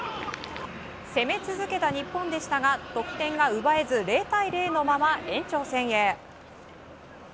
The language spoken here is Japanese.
攻め続けた日本でしたが得点が奪えず０対０のまま延長戦へ。